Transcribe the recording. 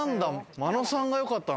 真野さんがよかったな。